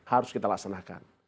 harus kita laksanakan